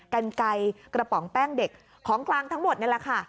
กันไก่กระป๋องแป้งเด็กของกลางทั้งหมดนี่แหละค่ะ